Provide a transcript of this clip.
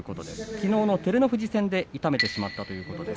きのうの照ノ富士戦で痛めてしまったということです。